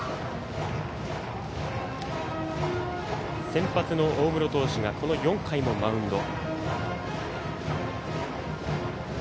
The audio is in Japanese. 先発の大室投手が４回もマウンド。